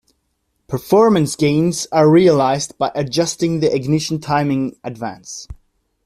Performance gains are realized by adjusting the ignition timing advance.